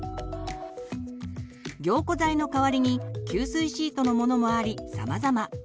凝固剤の代わりに吸水シートのものもありさまざま。